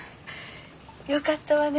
よかったわね